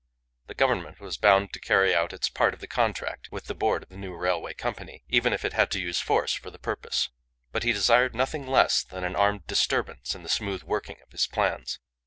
The Government was bound to carry out its part of the contract with the board of the new railway company, even if it had to use force for the purpose. But he desired nothing less than an armed disturbance in the smooth working of his plans.